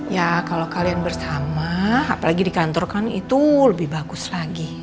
ya kalau kalian bersama apalagi di kantor kan itu lebih bagus lagi